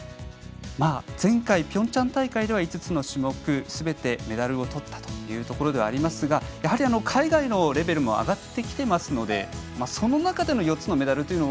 前回ピョンチャン大会では５つの種目すべてメダルをとったというところですがやはり海外のレベルも上がってきていますのでその中での４つのメダル。